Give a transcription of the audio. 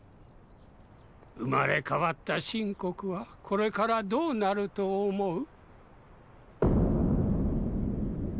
生まれ変わった秦国はこれからどうなると思う？